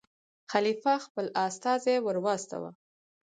خلیفه خپل استازی ور واستاوه.